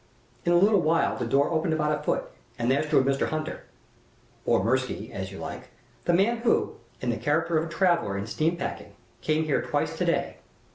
In a little while the door opened about a foot, and there stood Mr. Hunter or Mirsky, as you like the man who, in the character of a traveler in steam packing, came here twice to day.